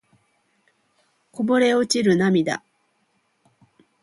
こぼれ落ちる涙